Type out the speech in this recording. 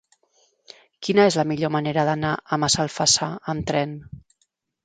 Quina és la millor manera d'anar a Massalfassar amb tren?